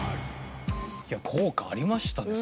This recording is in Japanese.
いや効果ありましたね